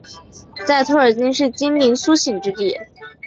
在托尔金是精灵苏醒之地。